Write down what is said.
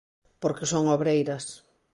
Porque son obreiras.